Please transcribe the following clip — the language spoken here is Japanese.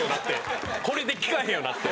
これできかへんようになって。